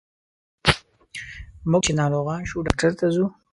موږ چې ناروغان شو ډاکټر ته ځو.